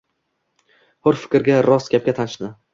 Hur fikrga, rost gapga tashna.